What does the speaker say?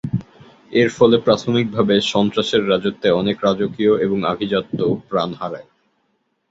এর ফলে প্রাথমিকভাবে সন্ত্রাসের রাজত্বে অনেক রাজকীয় এবং আভিজাত্য প্রাণ হারায়।